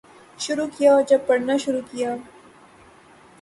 شروع کیا اور جب پڑھنا شروع کیا